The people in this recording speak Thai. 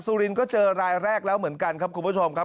สุรินทร์ก็เจอรายแรกแล้วเหมือนกันครับคุณผู้ชมครับ